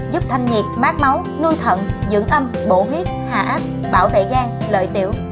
giúp thanh nhiệt mát máu nuôi thận dưỡng âm bổ huyết hạ áp bảo tệ gan lợi tiểu